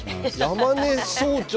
山根総長。